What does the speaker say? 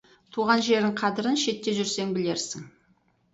Туған жердің қадірін шетте жүрсең білерсің.